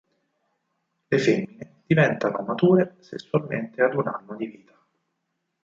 Le femmine diventano mature sessualmente ad un anno di vita.